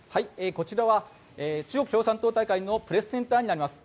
こちらは中国共産党大会のプレスセンターになります。